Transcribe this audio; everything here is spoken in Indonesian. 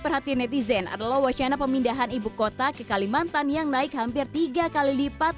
perhatian netizen adalah wacana pemindahan ibu kota ke kalimantan yang naik hampir tiga kali lipat